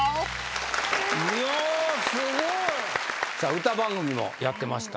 歌番組もやってました。